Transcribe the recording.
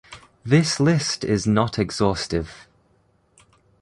This list is not exhaustive.